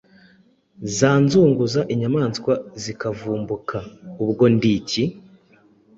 zanzunguza inyamaswa zikavumbuka. Ubwo ndi iki?